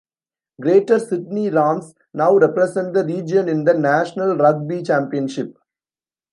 Greater Sydney Rams now represent the region in the National Rugby Championship.